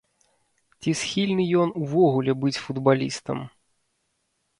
Ці схільны ён увогуле быць футбалістам.